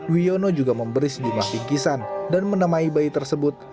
wiono juga memberi sedih making kisan dan menamai bayi tersebut